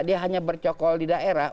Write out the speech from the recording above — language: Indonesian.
dia hanya bercokol di daerah